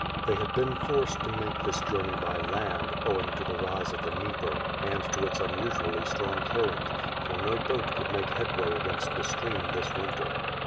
They had been forced to make this journey by land, owing to the rise of the Dnieper, and to its unusually strong current, for no boat could make headway against the stream this winter.